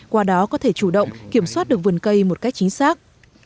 qua đó có thể chủ động kiểm soát được vườn cây một cách chính xác